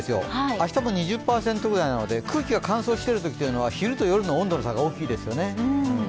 明日も２０％くらいなので、空気が乾燥しているときっていうのは昼と夜の温度の差が大きいですよね。